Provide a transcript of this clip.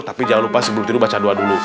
tapi jangan lupa sebelum tidur baca doa dulu